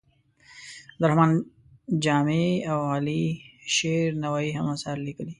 عبدالرحمان جامي او علي شیر نوایې هم اثار لیکلي.